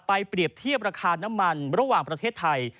เปรียบเทียบราคาน้ำมันระหว่างประเทศไทย